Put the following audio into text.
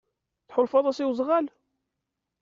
Tḥulfaḍ-as i wezɣal?